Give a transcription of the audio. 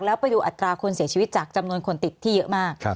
แล้วไปดูอัตราคนเสียชีวิตจากจำนวนคนติดที่เยอะมาก